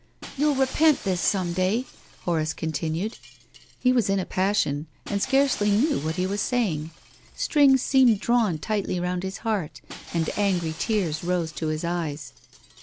"You'll repent this some day," Horace con tinued . He was in a passion, and scarcely knew what he was saying. Strings seemed drawn tightly round his heart, and angry tears rose to his eyes.